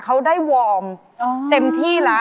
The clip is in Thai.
เขาได้วอร์มเต็มที่แล้ว